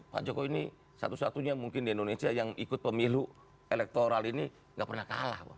pak jokowi ini satu satunya mungkin di indonesia yang ikut pemilu elektoral ini gak pernah kalah